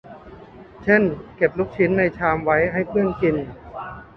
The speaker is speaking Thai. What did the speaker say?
เช่น เก็บลูกชิ้นในชามไว้ให้เพื่อนกิน